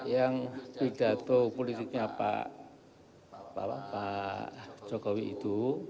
yang tidak tahu politiknya pak jokowi itu